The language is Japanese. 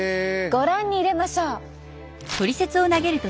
ご覧に入れましょう。